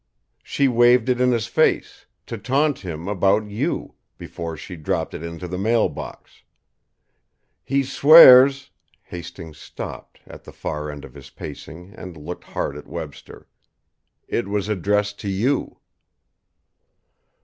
She waved it in his face, to taunt him about you, before she dropped it into the mail box. He swears" Hastings stopped, at the far end of his pacing, and looked hard at Webster "it was addressed to you."